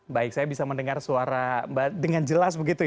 baik saya bisa mendengar suara mbak dengan jelas begitu ya